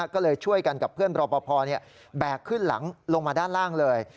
ก็เลยช่วยกันกับเพื่อนรอปภแบกขึ้นหลังลงมาด้านล่างเลย